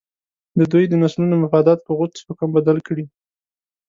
د دوی د نسلونو مفادات په غوڅ حکم بدل کړي.